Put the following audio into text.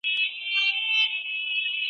که دغه اساسات له منځه ولاړ سي څه به پېښ سي؟